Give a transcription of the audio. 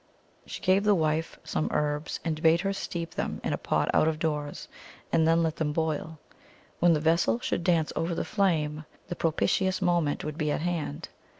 She gave the wife some herbs, and bade her steep them in a pot out of doors, and then let them boil. When the vessel should dance over the flame, the pro pitious moment would be at hand.